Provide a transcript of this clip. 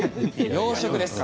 洋食ですか？